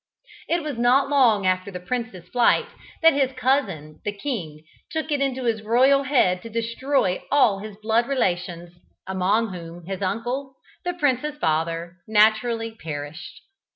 It was not long after the prince's flight, that his cousin the king took it into his royal head to destroy all his blood relations, among whom his uncle, the prince's father, naturally perished.